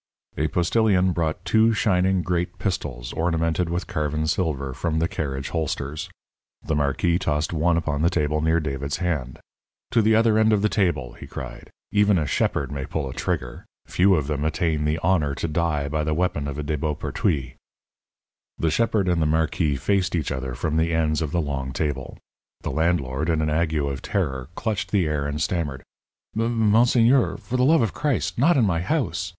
A postilion brought two shining great pistols ornamented with carven silver, from the carriage holsters. The marquis tossed one upon the table near David's hand. "To the other end of the table," he cried; "even a shepherd may pull a trigger. Few of them attain the honour to die by the weapon of a De Beaupertuys." The shepherd and the marquis faced each other from the ends of the long table. The landlord, in an ague of terror, clutched the air and stammered: "M M Monseigneur, for the love of Christ! not in my house!